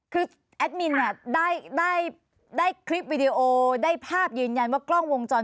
คือแอดมินได้คลิปวิดีโอได้ภาพยืนยันว่ากล้องวงจร